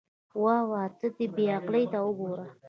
واه واه، ته دې بې عقلۍ ته وګوره.